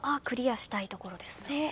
クリアしたいところですね。